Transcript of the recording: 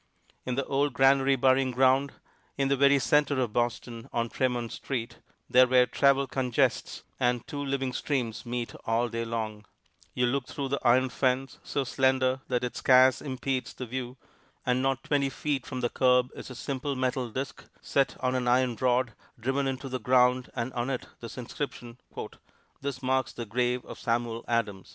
In the old Granary Burying Ground, in the very center of Boston, on Tremont Street there where travel congests, and two living streams meet all day long you look through the iron fence, so slender that it scarce impedes the view, and not twenty feet from the curb is a simple metal disk set on an iron rod driven into the ground and on it this inscription: "This marks the grave of Samuel Adams."